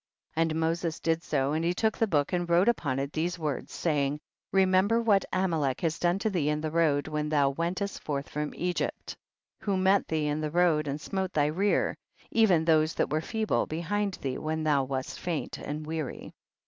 57. And Moses did so, and he took the book and wrote upon it these words, saying, 58. Remember what Amalek has done to thee in the road when thou wentest forth from Egypt. 59. Who met thee in the road and smote thy rear, even those that were, feeble behind thee when thou wast faint and weary.